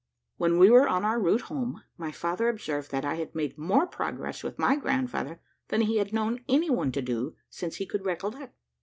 When we were on our route home, my father observed that "I had made more progress with my grandfather than he had known any one to do, since he could recollect.